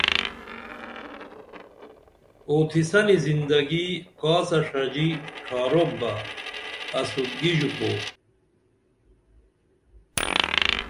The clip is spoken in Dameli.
اوتھی سنی زندگی کاسہ ݜژی ڇھاروپ بہ اسودگی ژوپو